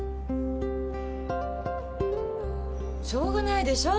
しょうがないでしょう。